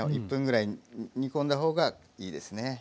１分ぐらい煮込んだ方がいいですね。